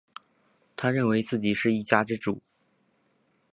他认为自己是一家之主